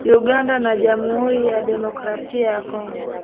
Uganda na Jamhuri ya Kidemokrasi ya Kongo